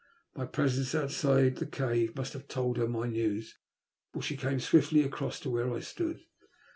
My presence outside the cave must have told her my news, for she came swiftly across to where I stood.